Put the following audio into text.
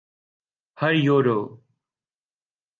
ہریرو